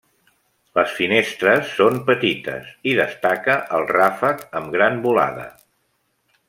Les finestres són petites i destaca el ràfec amb gran volada.